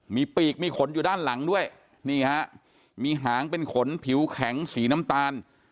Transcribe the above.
มีปีกมีขนอยู่ด้านหลังด้วยนี่ฮะมีหางเป็นขนผิวแข็งสีน้ำตาล